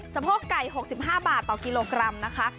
โพกไก่๖๕บาทต่อกิโลกรัมนะคะ